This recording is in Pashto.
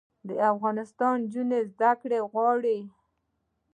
د افغانستان نجونې زده کړې غواړي